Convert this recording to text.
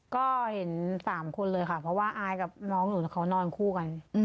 ก็เห็น๓คนเลยค่ะเพราะว่าอายกับน้องหนูเขานอนคู่กัน